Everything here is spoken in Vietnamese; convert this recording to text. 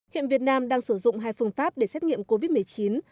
hiện việt nam đang sử dụng hai phương pháp để xét nghiệm covid một mươi chín